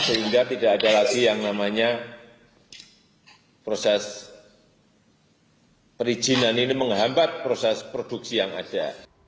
sehingga tidak ada lagi yang namanya proses perizinan ini menghambat proses produksi yang ada